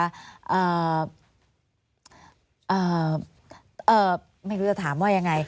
อ่าเอ่อไม่รู้จะถามว่ายังไง